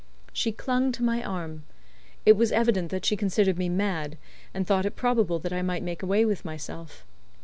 She clung to my arm. It was evident that she considered me mad, and thought it probable that I might make away with myself.